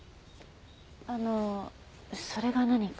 あのそれが何か？